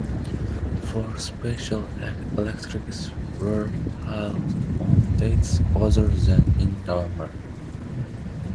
Four special elections were held on dates other than in November.